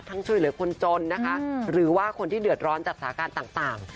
ช่วยเหลือคนจนนะคะหรือว่าคนที่เดือดร้อนจากสาการต่าง